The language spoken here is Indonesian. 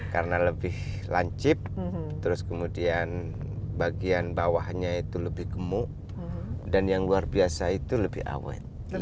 karena lebih lancip terus kemudian bagian bawahnya itu lebih gemuk dan yang luar biasa itu lebih awet